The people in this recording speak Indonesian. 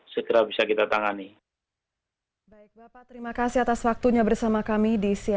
segera bisa kita tangani